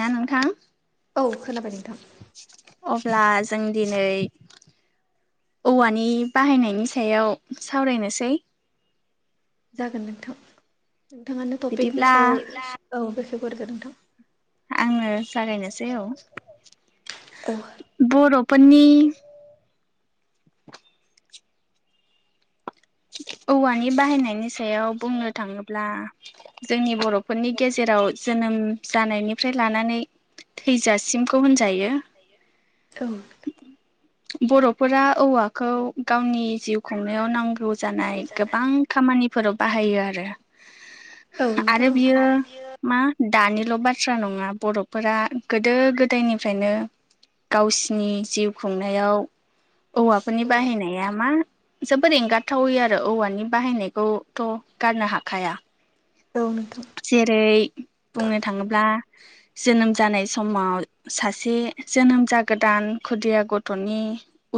ना नोंथां औ खोनाबाय नोंथां। अब्ला जों दिनै औवानि बाहायनायनि सायाव सावरायनोसै जागोन नोंथां। नोंथाङानो टपिकनि बिदिब्ला सायाव औ बेखेव गोरदो नोंथां। आङो जागायनोसै औ औ बर'फोरनि औवानि बाहायनायनि सायाव बुंनो थाङोब्ला जोंनि बर' फोरनि गेजेराव जोनोम जानायनिफ्राय लानानै थैजासिमखौ होनजायो औ बर' फोरा औवाखौ गावनि जिउ खुंनायाव नांगौ जानाय गोबां खामानिफोराव बाहायो आरो। औ नोंथां आरो औ बियो मा दानिल' बाथ्रा नङा बर' फोरा गोदो गोदायनिफ्रायनो गावसिनि जिउ खुंनायाव औवाफोरनि बाहायनाया मा जबोद एंगार हाथावै आरो औवानि बाहायनायखौथ' गारनो हाखाया। औ नोंथां। जेरै बुंनो थाङोब्ला जोनोम जानाय समाव सासे जोनोम जागोदान खुदिया गथ'नि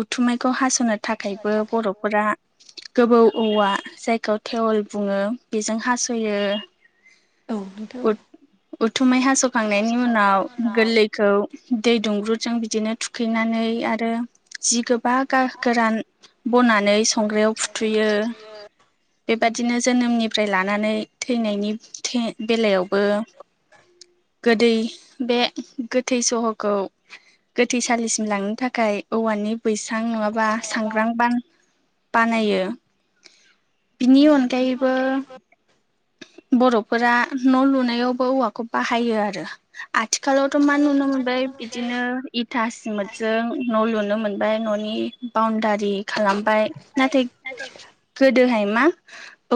उथुमायखौ हास'नो थाखायबो बर'फोरा गोबौ औवा जायखौ थेवल बुङो बेजों हास'यो औ नोंथां औ उथ-उथुमाय हास'खांनायनि उनाव गोरलैखौ दै दुंब्रुदजों बिदिनो थुखैनानै आरो जि गोबा गोरान बनानै संग्रायाव फुथुयो औ नोंथां बेबादिनो जोनोमनिफ्राय लानानै थैनायनि थैनाय बेलायावबो गोदै बे गोथै सहखौ गोथैसालिसिम लांनो थाखाय औवानि बैसां नङाबा सांग्रां बान बानायो। बिनि अनगायैबो बर'फोरा न' लुनायावबो औवाखौ बाहायो आरो। आथिखालावथ' मा नुनो मोनबाय बिदिनो इथा सिमतजों न' लुनो मोनबाय न'नि बाउणडारि खालामबाय नाथाय गोदोहाय मा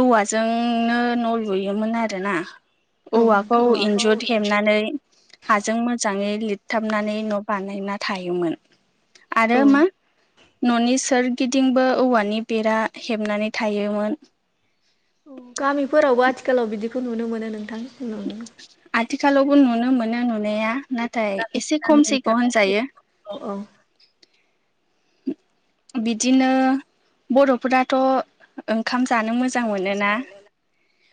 औवाजोंनो न' लुयोमोन आरोना। औ औवाखौ नोंथां इन्जुर हेबनानै हाजों मोजाङै लिरथाबनानै न' बानायना थायोमोन। आरो औ मा न'नि सोरगिदिंबो औवानि बेरा हेबनानै थायोमोन। गामिफोरावबो आथिखालाव बिदिखौ नुनो मोनो नोंथां। आथिखालावबो नुनो मोनो नुनाया नाथाय गामि एसे गामि खमसैखौ ओनसोलाव होनजायो। औ औ बिदिनो बर'फोराथ' ओंखाम जानो मोजां मोनोना?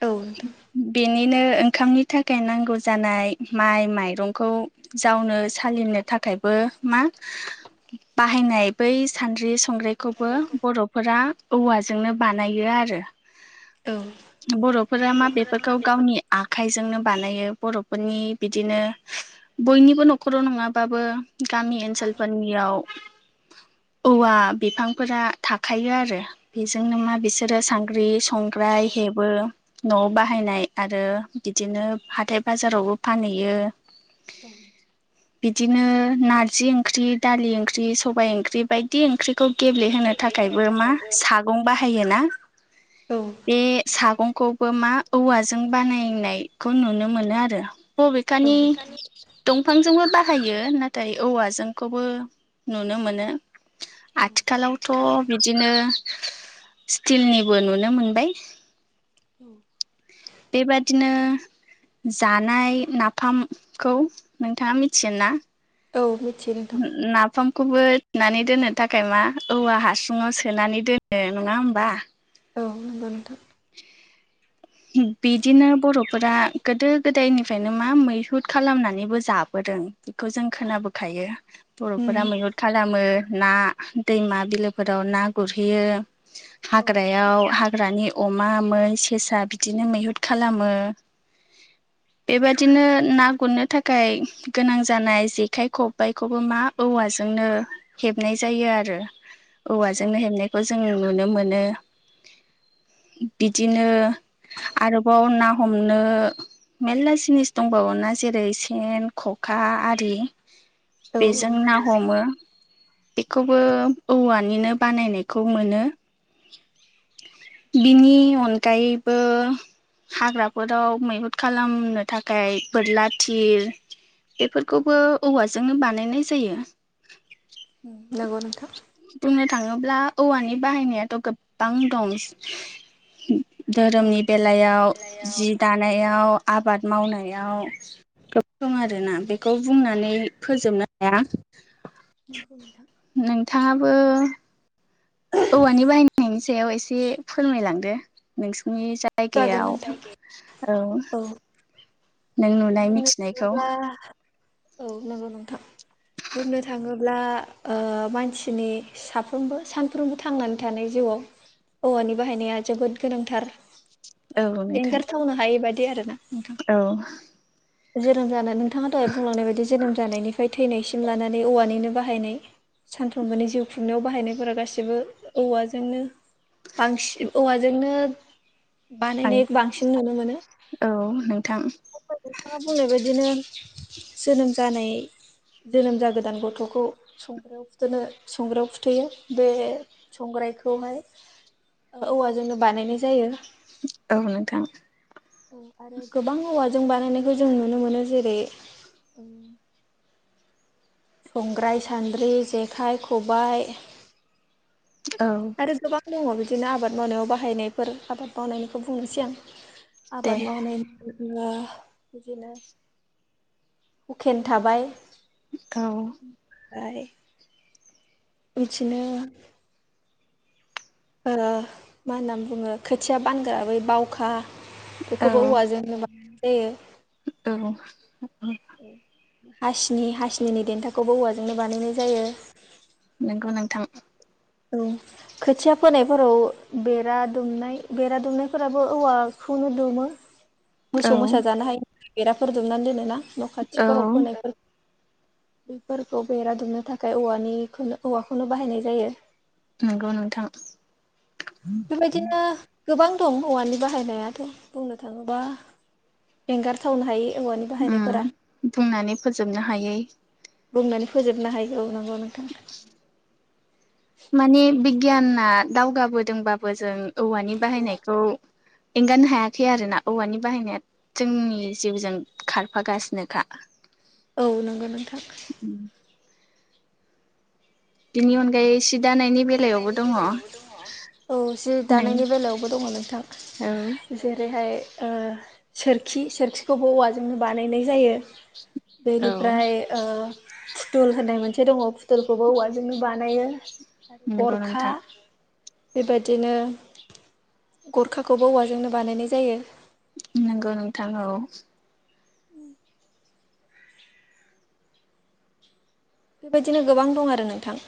औ नोंथां। बेनिनो ओंखामनि थाखाय नांगौ जानाय माइ माइरंखौ जावनो सालिनो थाखायबो मा बाहायनाय बै सान्द्रि संग्राय खौबो बर'फोरा औवाजोंनो बानायो आरो औ बर' फोरा मा बेफोरखौ गावनि आखाइजोंनो बानायो बर'फोरनि बिदिनो बयनिबो न'खराव नङाबाबो गामि ओनसोलफोरनियाव औवा बिफांफोरा थाखायो आरो। बेजोंनो मा बिसोरो सांग्रि संग्राय हेबो। न'आव बाहायनाय आरो बिदिनो हाथाय बाजारावबो फानहैयो। औ बिदिनो नारजि ओंख्रि, दालि ओंख्रि, सबाइ ओंख्रि, बायदि ओंख्रि खौ गेब्लेहोनो थाखायबो मा सागं बाहायोना औ बे सागं बो मा औवाजों बानायनायखौ नुनो मोनो आरो। औ बबेखानि दंफांजोंबो बाहायो नाथाय औवाजोंखौबो नुनो मोनो। आथिखालावथ' बिदि नो स्टिलनिबो नुनो मोनबाय। औव बेबादिनो जानाय नाफामखौ नोंथाङा मिथिगोन ना? औ मिथियो नोंथां ओम नाफ खामखौबोनानै दोननो थाखाय मा औवा हासुङाव सोनानै दोनो नङा होमबा? औ नंगौ नोंथां। बिदिनो बर'फोरा गोदो गोदायनिफ्रायनो मा मैहुर खालामनानैबो जाबोदों बेखौ जों खोनाबोखायो। बर'फोरा उम मैहुर खालामो ना दैमा बिलोफोराव ना गुरहैयो। औ हाग्रायाव हाग्रानि अमा मै सेसा बि थिनो मैहुर खालामो बेबादिनो ना गुरनो थाखाय गोनां जानाय जेखाइ खबाइखौबो मा औवाजोंनो हेबनाय जायो आरो। औ औवाजोंनो हेबनायखौ जों नुनो मोनो। बिदिनो आरोबाव ना हमनो मेला जिनिस दंबावोना जेरै सेन खखा आरि औ बेजों औ ना हमो। बेखौबो औवानिनो बानायनायखौ मोनो। बिनि अनगायैबो हाग्राफोराव मैहुद खालामनो थाखाय बोरला थिर बेफोरखौबो औवाजोंनो बानायनाय जायो। ओम नोंगौ नोंथां। बुंनो थांङोब्ला औवानि बाहायनायाथ' गोबां दं। औ धोरोमनि बेलायाव जि दानायाव आबाद मावनायाव गोबां दं आरो ना बेखौ बुंनानै फोजोबनो हाया। नोंगौ नोंथां। नोंथांङाबो औवानि बाहायनायनि सायाव एसे फोरमायलांदो नोंसिनि जा जागोन नोंथां जायगायाव। औ नों नुनाय बुंनो मिथिनायखौ थांङोब्ला औ नंगौव नोंथां। बुंनो थांङोब्ला ओ मानसिनि। साफ्रोमबो सानफ्रोमबो थांनानै थानाय जिउआव। औवानि बाहायनाया जोबोद गोनांथार औ एंगारथावनो हायै बादि आरो ना नोंथां। औव जोनोम जानाय नोंथांङा दहाय बुंलांनाय बायदि जोनोम जानायनिफ्राय थैनायसिम लानानै औवानिनो बाहायनाय। सानथौव मोनानि जिउ खुंनायाव बाहायनायफोरा गासिबो औवाजोंनो। बांसिन औवाजोंनो बानायनाय बांसिन नुनो मोनो। औ नोंथां। नोंथांङा बुंनाय बदिनो जोनोम जानाय। जोनोम जा गोदान गथ'खौ संग्रो संग्रायाव फुथुयो बे संग्रायखौहाय। औवाजोंनो बानाय नाय जायो। औ नोंथां। औ आरो गोबां औवाजों बानायनायखौ जों नुनो मोनो जेरै। संग्राय सान्द्रि जेखाइ खबाय। औ। आरो गोबां दङ बिदिनो आबाद मावनायाव बाहायनायफोर आबाद मावनायनिखौ बुंनोसै आं। दे आबाद मावनाय। [unintelligible] बिदिनो हुखेन थाबाय। औ। ओमफाय बिदिनो। मा होननानै बुङो खोथिया बानग्रा बै बावखा। औ बेखौबो औवाजोंनो बानायनाय जायो। औ हासिनि हासिनि देन्थाखौबो औवाजोंनो बानायनाय जायो। नोंगौ नोंथां। औ। खोथिया फोनायफोराव बेरा दुमनाय बेरा दुमनायफोराबो औवाजों दुमो। [inaudible] मोसौ मोसा जानो हायो बेराफोर दुमनानै दोनो ना न' औ खाथिफोराव फोनायफोर। बेफोरखौ बेरा दुमनो थाखाय औवानिखौ औवाखौनो बाहायनाय जायो। नंगौ नोंथां। बेबायदिनो। गोबां दं औवानि बाहायनायाथ' बुंनो थाङोबा एंगारथावनो हाय औवानि। बाहायनायफोरा ओम बुंनानै फोजोबनो हायै। बुंनानै फोजोबनो हायै औ नंगौ नोंथां। [inaudible] मानि बिगियाना दावगाबोदोंबाबो जों औवानि बाहायनायखौ- एंगारनो हायाखै आरो ना औवानि बाहायनाया। जोंनि जिउजों खारफागासिनोखा। औ नंगौ नोंथां। उम बिनि अनगायै सि दानायनि बे दानायनि बेलायावबो दङ औ जि नों दानायनि बेलायावबो दङ औ नोंथां। जेरैहाय सोरखि सोरखिखौबो औवाजोंनो बानायनाय जायो। औ बेनिफ्राय ओ। फुथुल होननाय मोनसे दङ फुथुलखौबो औवाजोंनो बानायो। नंगौ गरखा नोंथां बेबायदिनो औवाजोंनो बानायनाय जायो। नंगौ नोंथां औ बेबायदिनो गोबां दं आरो नोंथां।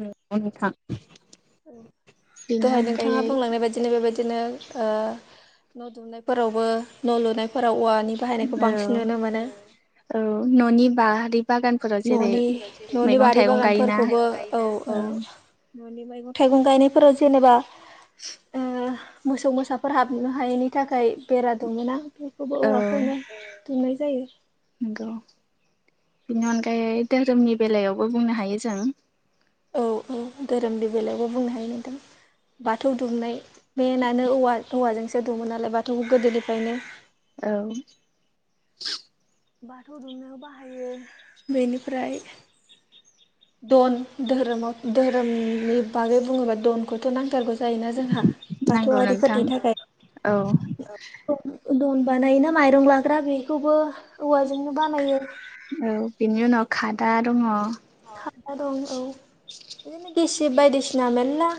ओम नंगौ नोंथां बेनि दहाय अनगायै बुंलांनाय बादिनो बे बायदिनो ओ न' दुमनायफोरावबो न' लुनायफोराव औवानि बाहायनायखौ औ बांसिन नुनो मोनो। औ न'नि बारि बागा न'नि न'नि बारि गायोना बागानफोरखौबो औ-औ औ न'नि मैगं थाइगं गायनायफोराव जेनेबा मोसौ मोसाफोर हाबनो हायैनि थाखाय बेरा दंङ ना? बेखौबो औ औवाखौनो दुमनाय जायो। नोंगौ। बेनि अनगायै धोरोमनि बेलायावबो बुंनो हायो जों। औ औ धोरोमनि बेलायावबो बुंनो हायो मेदाम। बाथौ दुमनाय मेनानो औवा औवाजोंसो दुमो नालाय बाथौखौ गोदोनिफ्रायनो। औ बाथौ दुमनायाव बाहायो बेनिफ्राय दन धोरोमाव धोरोमनि बागै बुङोबा दनखौथ' नांथारगौ जा जायोना जोंहा नांगौ नोंथां बाथौआरिफोरनि औ थाखाय धन बानायोना माइरं लाग्रा बेखौबो औवाजोंनो बानायो। औ बिनि उनाव खादा दङ'। खादा दं औ बिदिनो गिसिब बायदिसिना मेरला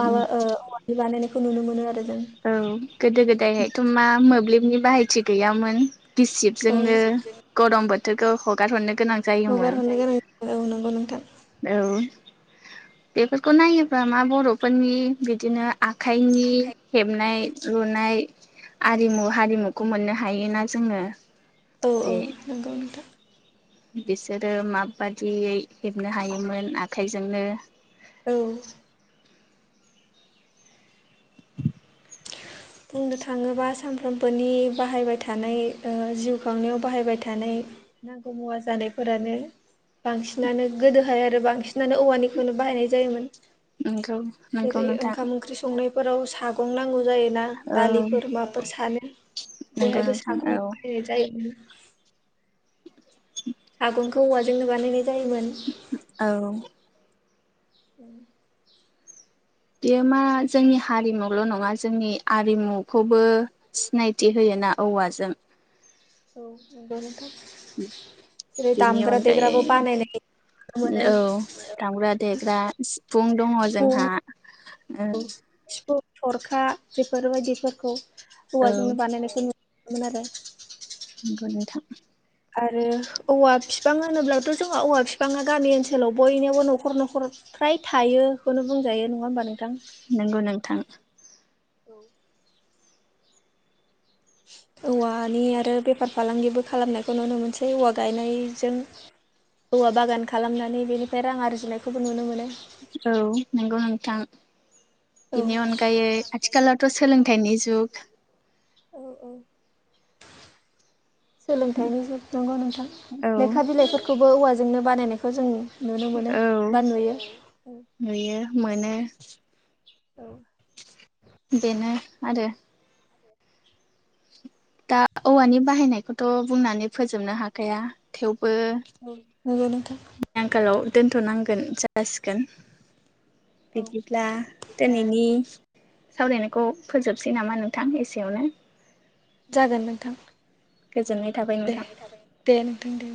माबा ओ औवा बानायनायखौ नुनो मोनो आरो जों। औ गोदो गोदायहायथ' मा मोब्लिबनि बाहायथि गैयामोन बिसिब औ जोंनो गरम बोथोरखौ हगार गोनां जायोमोन हगार हरनो गोनां औ नंगौ नोंथां। औ बेफोरखौ नायोबा मा बर'फोरनि बिदिनो आखाइनि हेबनाय रलुनाय आरिमु हारिमुखौ मोननो हायोना जोङो जे नोंगौ नोंथां। बिसोरो माबादियै हेबनो हायोमोन आखाइजोंनो औ। बुंनो थाङोबा सानफ्रोमबोनि बाहायबाय थानाय ओ जिउ खांनायाव बाहायबाय थानाय नांगौ मुवा जानायफोरानो बांसिनानो गोदोहाय आरो बांसिनानो औवानिखौनो बाहायनाय जायोमोन। नंगौ नंगौ जेरै नोंथां ओंखाम ओंख्रि संनायफोराव सागं नांगौ जायोना? औ दालिफोर माफोर सानो नंगौ बेहायबो नोंथां औ सागं बाहायनाय जायोमोन। [inaudible] सागुनखौ औवाजोंनो बानायनाय जायोमोन। औ। [unintelligible] बियो मा हारिमुल' नङा जोंनि आरिमुखौबो सिनायथि होयोना औवाजों। औ नंगौ नोथां। जेरै बेनि अनगायै दामग्रा-देग्राबो बानायायनाय मोनो औ दामग्रा देग्रा सिफुं दङ' जोंहा [unintelligible] औ थरखा बेफोरबायदिफोरखौ हौवाजोंनो बानायनायखौ नु मोनो आरो। नंगौ नोंथां। आरो औवा बिफां होनोब्लाथ' जोंहा औवा बिफाङा गामि ओनसोलाव बयनिावबो न'खर न'खर फ्राय थायोखौनो बुंजायो नङा होमबा नोंथां। नोंगौ नोंथां। औ। औवानि आरो बेफार फालांगिबो खालामनायखौ नुनो मोनसै औवा गायनायजों। औवा बागान खालामनानै बेनिफ्राय रां आरजिनायखौबो नुनो मोनो। औ नंगौ नोंथां। औ बेनि अनगायै आथिखालावथ' सोलोंथाइनि जुग। औ औ सोलोंथाइनि जुग नंगौ नोंथां। औ लेखा बिलाइफोरखौबो औवाजोंनो बानायनायखौ जों नुनो मोनो औ बा नुयो औ नुयो मोनो औ बेनो आरो। दा औवानि बाहायनायखौथ' फोजोबनो हाखाया थेवबो नंगौ नोंथां। बे आंखालाव दोनथ'नांगोन जासिगोन। औ बिदिब्ला दिनैनि सावरायनायखौ फोजोबसै नामा एसेयावनो। जागोन नोंथां गोजोननाय थाबाय दे नोंथां दे नोंथां दे।